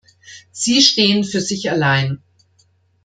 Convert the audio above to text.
Sie stehen für sich allein.